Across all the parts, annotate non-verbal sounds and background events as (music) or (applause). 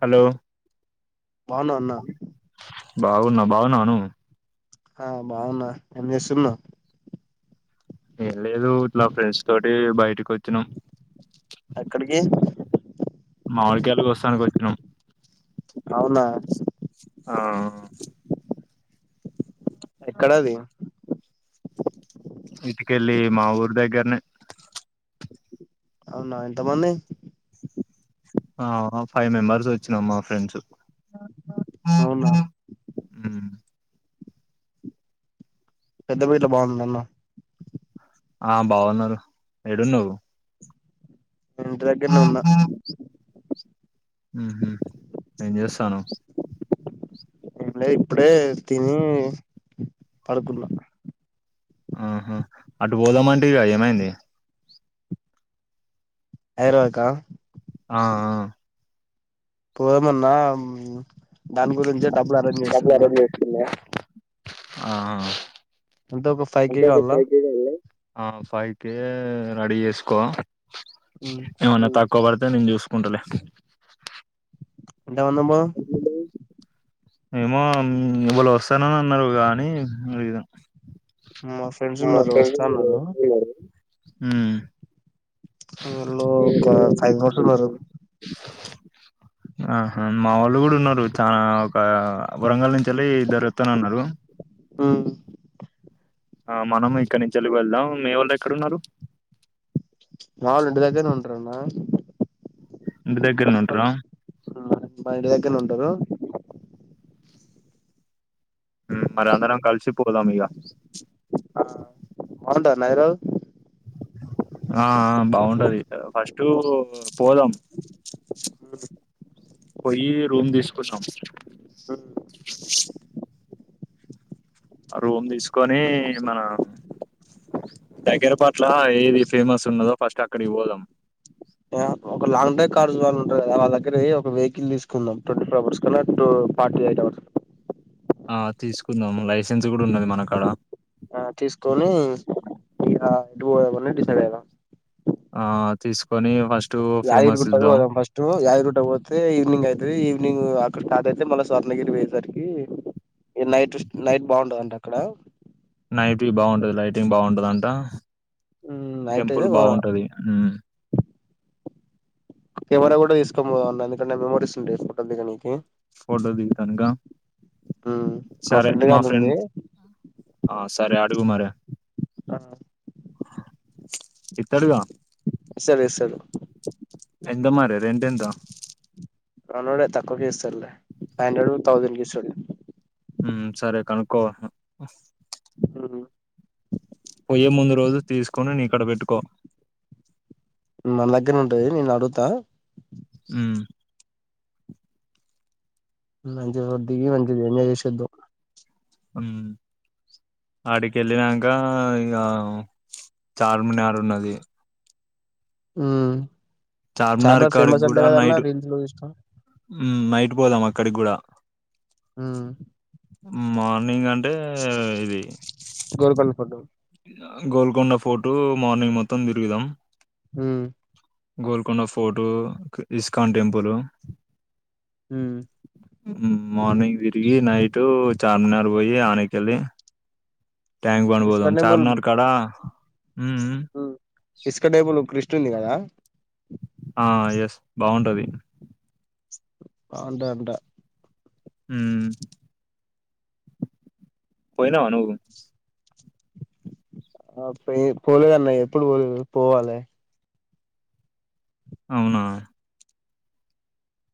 Hello బాగున్నా అన్నా అ బాగున్నా బాగున్నాను ఆ బాగున్నా ఏం చేస్తున్నా ఏం లేదులా ఫ్రెండ్స్ తోటి బయటకి వచ్చినం ఎక్కడికి మామిడిగాయలుకి వస్తానికి వచ్చినాం అవునా ఆ ఎక్కడది ఇటికె వెళ్ళి మా ఊరు దగ్గరనే అవునా ఎంతమంది ఆ ఫైవ్ మెంబర్స్ వచ్చినాం మా ఫ్రెండ్స్ అవునా ఉమ్, పెద్ద పట్ల బాగుంది అన్న ఆ బాగున్నారు ఎడున్నావు ఇంటి దగ్గరనే ఉన్న నేను చేస్తాను ఇప్పుడే తిని పడుకునా ఆహా అటు పోదామంటే ఏమైంది హైదరాబాద్ కా ఆ ఆ పోదమన్నా దాని గురించే డబ్బులు అరేంజ్ చేస్తున్నా ఆ ఎంత ఒక ఫైవ్ కే కావాలా అబ్బాట్టడ ఆ ఫైవ్ కే రెడీ చేసుకో మ్, ఏమన తకుబర్ అ నేను చూసుకుంటలే ఎంతమంది పోదాం అ ఏమో ఇవాళ వస్తానని అన్నారు కాని అడిగుదాం మా ఫ్రెండ్స్ ఉన్నారు మస వస్తా అన్నారు అల్లో ఒక ఫైవ్ ఆర్స్ ఉన్నారు ఆహ మా వాళ్ళు కూడా ఉన్నారు చనాా ఒక వరంగల్ నుంచి ఇద్దరు ఒత్తనన్నరు ఉమ్ ఆ మనం ఇక్కడి నుంచి వెళ్దాం మీవొళ్ళు ఎక్కడన్నారు మావోళ్ళు ఇంటిదగ్గరే ఉంట్రన్న ఇంటి దగ్గర్నే ఉంటరా మా ఇంటి దగ్గరనే ఉంటారు మరి అందరం కలిసిపో పోతాం ఇగ ఆ బావుంటదాన్న ఐరబాదు ఆ బాగుంటది ఫస్ట్ పోదాం పోయి రూమ్ తీసుకొందం రూమ్ తీసుకొని మన దగ్గర పట్ల ఏది ఫేమస్ ఉన్నదో ఫస్ట్ అక్కడికి పోదాం. ఒక లాంగ్ డ్రైవ్ కార్స్ వాళ్ళ ఉంటు వాళ్ళ దగ్గర ఒక వెహికల్ తీసుకుందాం ట్వంటీ ఫోర్ అవర్స్ కన్నా టూ ఫార్టీ ఎయిట్ అవర్స్. ఆ తీసుకుందాం లైసెన్స్ కూడా ఉన్నది మన కాడ ఆ తీసుకొని ఆ ఎటు పోదాం అని డిసైడ్ అయిదాం ఆ తీసుకొని ఫస్ట్ యాదగిరి ఫేమస్ గుట్టకు ఇద్దాం పోదం ఫస్ట్ యాద్గిరిగుట్ట కు పోతే ఈవనింగ్ అయిత్ అ ఈవినింగ్ అక్కడ స్టాట్ అయితే మ‌ళ్ళ స్వర్ణగిరి పొయేసరికి ఇది నైట్ నైట్ బాగుంటద‌ంట ఎక్కడ నైట్ వ్యూ బాగుంటది లైటింగ్ బాగుంటదంట ఉమ్, నైట్ అయితే టెంపుల్ బాగుంటది హ్మ్మ్ కెమెరా కూడా తీసుకొనిపోదాం అన్న ఎందుకంటే మెమొరీస్ ఉంటయ్ ఫోటోలు దిగనికి ఫోటో దిగుతానుక ఉమ్, సరే మా గానిది ఫ్రెండ్ ఉంది అ సరే అడుగు మరె ఆ ఇత్తడుగా ఇస్తడిస్తడు ఎంత మరే రెంటెంత మనోడే తక్కువకే ఇస్తడ్లె ఫైవండ్రెడ్ తౌసండ్ కిస్తడు ఉమ్ సరే కనుక్కో ఉ ఉమ్ పోయే ముందు రోజు తీసుకొని నీకాడ పెట్టుకో మన దగ్గర్నే ఉంటుంది నేను అడుగుతా ఉమ్ మంచిగా దిగి ఎంజాయ్ చేషి వద్దం హ్మ్మ్ ఆడికి వెళ్ళినాక ఇక చార్మినార్ ఉన్నది ఉమ్ చార్మినార్ కాడికి ఫేమస్ అంట కూడా కదన్న నైట్ రీల్స్ లో చూసిన హ్మ్మ్ నైట్ పోదాం అక్కడికి కూడా హ్మ్మ్ నేనగన్ గోల్పల్ ఫోటో గోల్కొండ ఫోర్టు మార్నింగ్ మొత్తం తిరుగుదాం గోల్కొండ ఫోర్టు ఇస్కాన్ టెంపులు ఉమ్ మ్మ్ మార్నింగ్ తిరిగి నైటు చార్మినార్ పోయి ఆనకెళ్ళి ట్యాంక్ బన్బోదు ఇస్కాన్ టెంపుల్ చార్మినార్ కడా మ్మ్ ఇంతొ కదా ఆ ఎస్ బాగుంటది మ్మ్ మ్మ్మ్ అంట అంట మ్మ్ పోయినావా నాన్ నువ్వు కుదు ఆ పోలు అన్నా ఎప్పుడు పోలేదు పోవాలే అవునా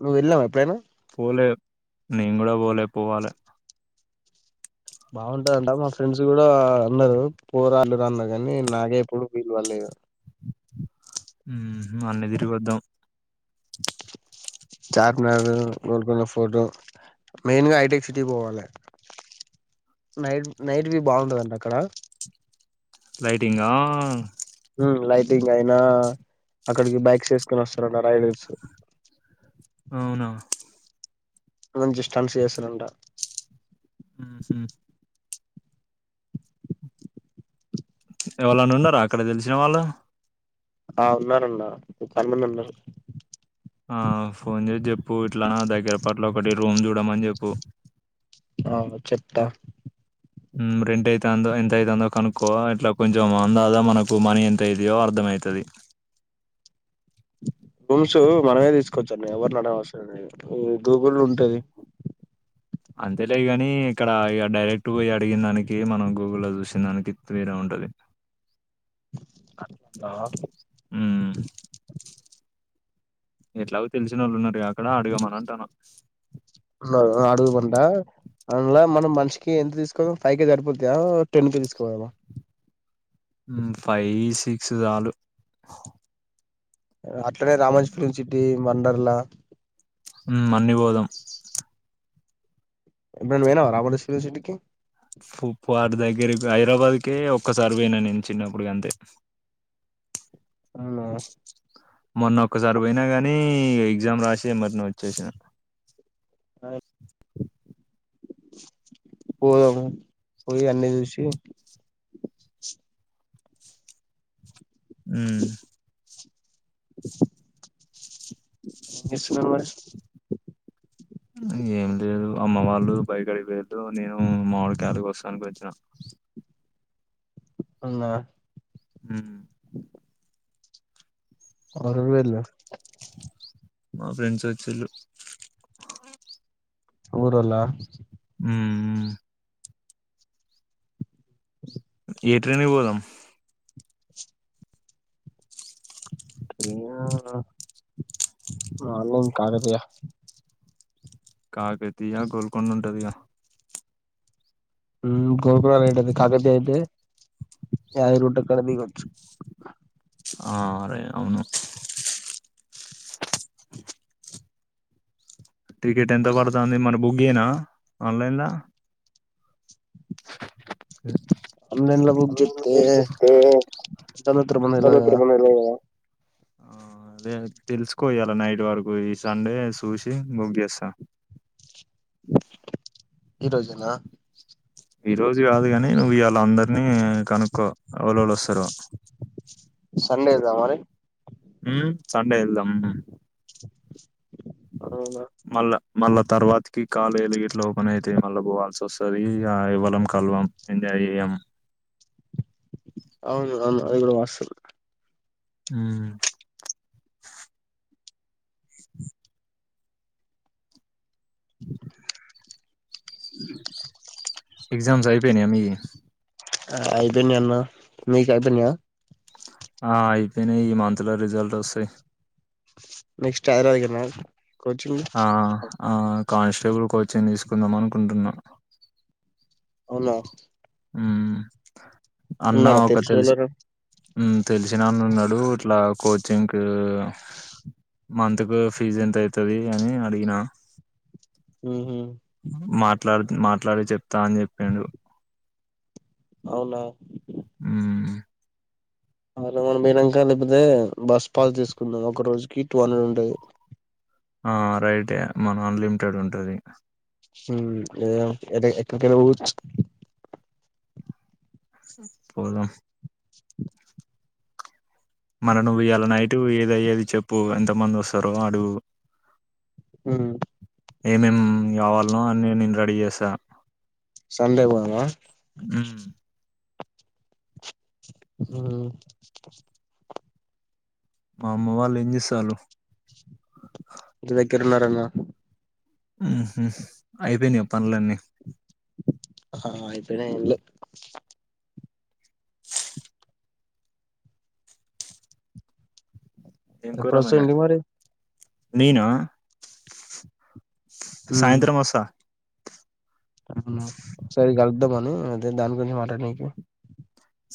నువ్వు వెళ్ళావా ఎప్పుడు ఇట్లానే పోలే నేను కూడా పోలే పోవాలే బాగుంటదంట మా ఫ్రెండ్స్ కూడా అన్నారు పోరాళ్లు అన్నారు కానీ నాగే ఎప్పుడు వీలు కాలేదు మ్మ్ మన్నదిరిగి వద్దాం చార్మినార్ గోల్కొండ ఫోర్టు మెయిన్ గా హఐటెక్ సిటీ పోవాలి నైట్ నైట్ బ బాగుంటది అక్కడ లైటింగ్ ఆన్ లైటింగ్ అయినా అక్కడికి బైక్స్ ఎసుకుొని వస్తారు రైడర్స్ అవునా నుంచి స్ట్రంస్ ఏసుకుని ఉంటా మ్మ్ మ్మ్ ఎవరన్నా ఉన్నారా అక్కడ తెలిసిన వాళ్లు ఆ ఉన్నారుాఅన్న పది మంది ఉన్నారు ఆ ఫోన్ చేసి చెప్పు ఇట్లానా దగ్గర పట్ల ఒకటి రూమ్ చూడమని చెప్పు ఆ చెబ్తా మ్మ్ రెంట్ అయితే ఎంత అవుతుందో కనుక్కో ఇట్లా కొంచెం అందాదా మనకు మనీ ఎంత అయిదియో అర్థంమవుతుంది రూమ్స్ మనమే తీసుకొచ్చాంలే ఎవర్ని అడగడం అవసరం లేదు గూగుల్ ఉంటది. అంతేలే గానీ ఇక్కడ ఇక డైరెక్ట్ పోయిన అడిగిన దానికి మనం గూగుల్లో చూసిన దానికి తేడా ఉంటది. ఆత్తా మ్మ్ ఎట్లాగ తెలిసిన వాళ్ళు ఉన్నారు అక్కడ అడగమన్ను అంటన. ళు అడుగు వుంటా అందులా మనం మనిషకి ఎంత తీసుకోదాం ఫైవ్ కే సరిపోతా టెన్ కేే తీసుకోదామా. ఫైవ్ సిక్స్ చాలు. అట్లనే రామాంజ్ ఫిలిమ్ స చెట్టు వండర్లా మ్మ్ అన్ని బోదాం. ఎప్పుడైనా పోయినావా రామాంజ్ ఫిలిం సిటీకీ. ఫుట్ పాత్ దగ్గరకి హైదరాబాద్కే ఒక్కసారి పోయినా నేను చిన్నప్పటికి అంతే. అలా మొన్న ఒక్కసారి పోయినా గాని నీ ఎగ్జామ్ రాసి ఏ మరి ను వచ్చేసిన పోదామా పోయి అన్ని చుసి మ్మ్ ఫ్ ఏ స్కూల్ ఊహ్హ్ ఏంలేదు అమ్మ వాళ్ళు బాయ్ కాడక్కి పోయిండ్రు నేను మావిడ్ కాయలు కోస్తానికి వచ్చిన అన్న ఆ... హ్మ్ ఆరువేలు మా ఫ్రెండ్స్ వచ్చిన్ళ్ళు ఊర్రోళ్ల ఉమ్.. ఉమ్ ఏ ట్రైన్ కి పోదాం ప్రియా....... మ్... మాలుమ్ కడపియా కాకతీయ గోల్కొండుంటాది గా ఉమ్... గోకురల్ ఏంటది కాకతీయ అయితే.... యాద్ లో ఉంటది కాడదిగోచ్చు ఆరే ఔను (inaudible) టికెట్ ఎంత పడతాంది మల బుక్ చేయనా... ఆన్లైనలా సరే..... ఆన్లైన్ లో బుక్ హలో... చేస్తే ఆ.. ఆ... మనం తెల్వదు సరే... కదా త్రిబుల్ రైడ్ పోదమా ఆ అదే తెలుసుకో ఇయాల నైట్ వరకు ఈ సండే సూసి బుక్ చేస్తా..... డ.. న్ ఈ రోజేణ ఈ రోజు కాదు కాని నువుయాలా అందర్నీ కనుక్కో ఓల్లుల్లోస్తారో సండేదా మరి ఉమ్మ్... సండే వెళదామ్.. మ్.. ష్.... ష్... ష్.... మళ్ళ మళ్ళా తరవత్ కి కాలేజ్ గిట్లా ఓపెన్ అయితే మళ్ళా పోవాలస్స్తోతది అ.. యా. ఇవాళ కలవం ఎంజాయ్ చేయ్యం డ్. డ్.. అవును అవును అది కూడా వాస్తవం ఉమ్.... ట్.. ష్.... ఈ..... స్.. స్ స్.. స్.. ఇ (inaudible) ఎగ్జామ్స్ అయిపోయిన్యా మీయ్యి ట్.. ల్ ఆ.. అయిపోయ్నన్న... మీకు అయిపోయిన్య ఆ అయిపోయనై ఈ మంత్ లో రిజల్ట్ వస్తాయ్ ష్.. నెక్స్ట్ హైద్రావాద్ దగ్రనా ఆ.... ఆ.. క్ కానిస్టేబుల్ కోచని తీసుకుందాం అనుకుంటున్నా అవునా ఆ అన్న ఉన్నారా ఒక తెలిసి తెలిసినోళ్ళేనా తెలిసినన్న ఉన్నాడు ఇట్లా కోచింగ్కి మంత్ కు ఫీజ్ ఎంత అయితది అని అడిగిన ఉమ్ మాట్లాడు మాట్లాడి చెప్తా అని చెప్పిండు అవునా ఉహు హు హైదరాబాద్ పోయిన్నాక లేకపోతే బస్ పాస్ తీసుకున్నాది ఒక రోజుకి టూ హండ్రెడ్ ఉంటది ఆ రైటే మనం అన్లిమిటెడ్ ఉంటది ఏద ఏద ఎక్కకఊ పోదాం మళ్ళా నువ్వు ఇయ్యాల నైటు ఏద అయ్యేది చెప్పు ఎంత మంది వస్తారో అడుగు ఉమ్ ఏమేమ్ కావాలనో అని నేను రెడీ చేసా సండే పోదమా ఉమ్ ఆ మా అమ్మ వాళ్ళు ఏం చేస్తాలు ఇంటి దగ్గర ఉన్నారు అన్న ఉమ్ హు అయిపోయినా పనులన్నీ ఆ ఇప్పుడే అయినయ్ ఎప్పుడు వస్తుంది మరి నేనా ఉమ్ సాయంత్రం వస్తా సరే గ ఉండమను నేను దాని గురించి మాట్లాడనీకె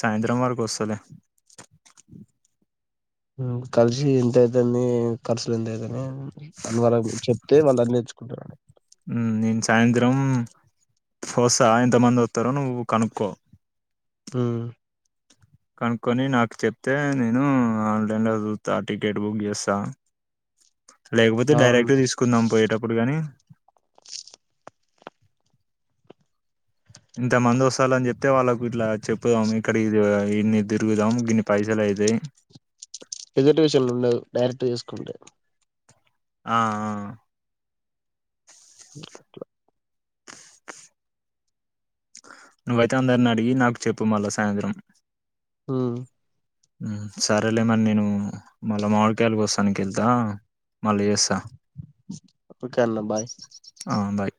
సాయంత్రం వరకు వస్తలే కలిసి ఎంతైతేంది కర్సులు ఎంతైతనయో అని వాళ్ళ చెప్తే వాళ్ళు అన్ని తెేర్చ్చుకుంటున్నారు నేను సాయంత్రం వస్తా ఎంత మంది వత్తరో నువ్వు కనుక్కో ఉమ్ కనుక్కొని నాకు చెప్తే నేను ఆన్లైన్లో చూతా టికెట్ బుక్ చేస్తా లేకపోతే అవును డైరెక్ట్ తీసుకుందాం పోయేటప్పుడు గాని ఇంత మంది వస్తాలని చెప్తే వాళ్ళకు ఇట్లా చెప్పుదాం ఇక్కడి ఇది ఇన్ని తిరుగుదాం గిన్ని పైసలు అయితాయి ఎదుటి విషయంలో ఉండవు డైరెక్ట్ తిసుకుంటే ఆ ఆ నువ్వైతే అందరిని అడిగి నాకు చెప్పు మళ్ళా సాయంత్రం ఉమ్ సరేలేమని నేను మళ్ళా మామిడికాయలు కోస్తానికి ఎళ్తా మళ్ళా చేస్తా ఓకే అన్న బాయ్ ఆమ్ భాయ్